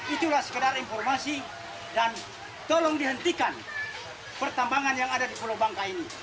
itulah sekedar informasi dan tolong dihentikan pertambangan yang ada di pulau bangka ini